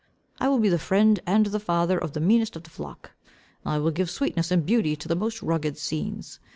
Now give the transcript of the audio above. I will be the friend and the father of the meanest of my flock. I will give sweetness and beauty to the most rugged scenes.